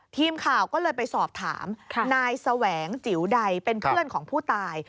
ทีมข่าวก็เลยไปสอบถามนายแสวงจิ๋วใดเป็นเพื่อนของผู้ตาย